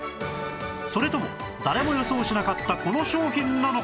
それとも誰も予想しなかったこの商品なのか？